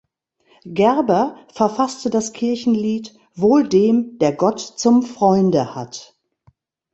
Gerber verfasste das Kirchenlied „Wohl dem, der Gott zum Freunde hat“.